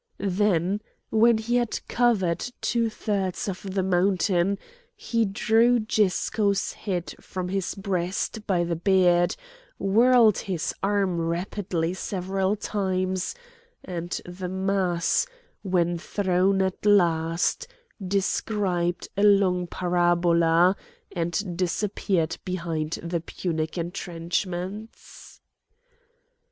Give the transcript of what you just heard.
Then when he had covered two thirds of the mountain he drew Gisco's head from his breast by the beard, whirled his arm rapidly several times,—and the mass, when thrown at last, described a long parabola and disappeared behind the Punic entrenchments.